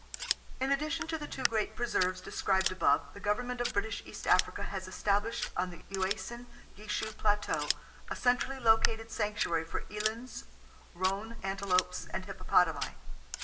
In addition to the two great preserves described above the government of British East Africa has established on the Uasin Gishu Plateau a centrally located sanctuary for elands, roan antelopes and hippopotamii.